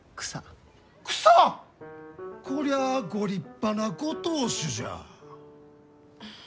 こりゃあご立派なご当主じゃ。